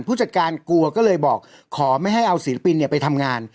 ผู้จัดการกลัวก็เลยบอกขอไม่ให้เอาศิลปินไปทำงาน